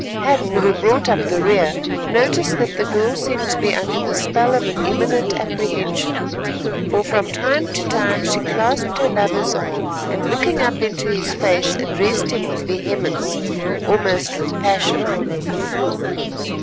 Hadden, who brought up the rear, noticed that the girl seemed to be under the spell of an imminent apprehension, for from time to time she clasped her lover's arm, and looking up into his face, addressed him with vehemence, almost with passion.